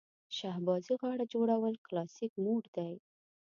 شهبازي غاړه جوړول کلاسیک موډ دی.